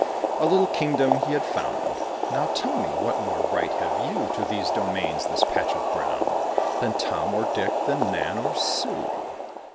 A little kingdom he had found: "Now, tell me, what more right have you To these domains, this patch of ground, Than Tom or Dick, than Nan or Sue?"